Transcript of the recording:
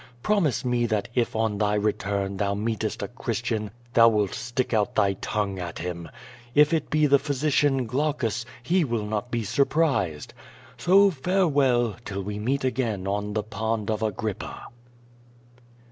Promise me that if on tliy return thou meetest a Christian thou wilt stick out tliy tongue at Inm. If it be the ])liysician, (ilaucus, he will not be surprised. So farewell, till we meet again on the Pond of Agrippa."